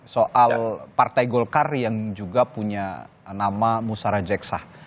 soal partai golkar yang juga punya nama musara jeksah